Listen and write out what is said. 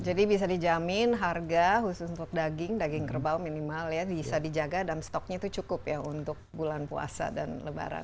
jadi bisa dijamin harga khusus untuk daging daging kerbau minimal ya bisa dijaga dan stoknya itu cukup ya untuk bulan puasa dan lebaran